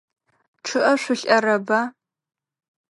ЧъыӀэ шъулӀэрэба?